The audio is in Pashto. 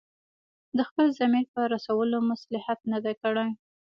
د خپل ضمیر په رسولو مصلحت نه دی کړی.